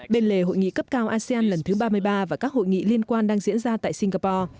bên lề hội nghị cấp cao asean lần thứ ba mươi ba và các hội nghị liên quan đang diễn ra tại singapore